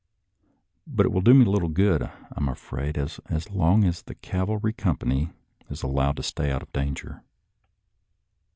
But it will do me little good, I am afraid, as long as that cavalry company is allowed to stay out of dan ger.